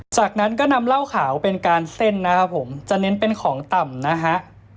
จากนั้นก็นำเหล้าขาวเป็นการเส้นนะครับผมจะเน้นเป็นของต่ำนะฮะ